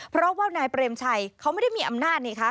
เพราะว่านายเปรมชัยเขาไม่ได้มีอำนาจ